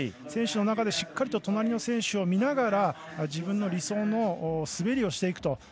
選手の中で、しっかりと隣の選手を見ながら自分の理想の滑りをしていくと。